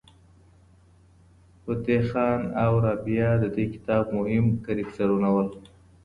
فتح خان او رابعه د دې کتاب مهم کرکټرونه وو.